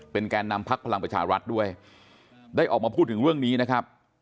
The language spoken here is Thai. แกนนำพักพลังประชารัฐด้วยได้ออกมาพูดถึงเรื่องนี้นะครับ